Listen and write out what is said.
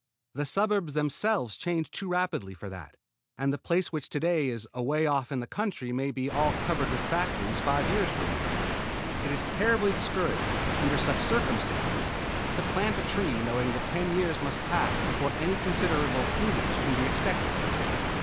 The suburbs themselves change too rapidly for that; and the place which today is away off in the country may be all covered with factories five years from now. It is terribly discouraging, under such circumstances, to plant a tree knowing that ten years must pass before any considerable fruitage can be expected from it.